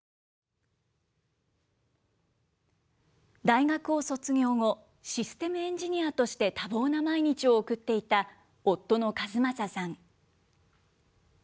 大学を卒業後、システムエンジニアとして多忙な毎日を送っていた夫の和正さん。